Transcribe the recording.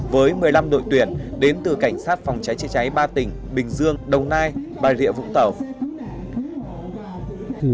với một mươi năm đội tuyển đến từ cảnh sát phòng cháy chế cháy ba tỉnh bình dương đồng nai bài lịa vũng tẩu